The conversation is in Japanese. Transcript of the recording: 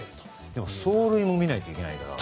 でも走塁も見ないといけないから。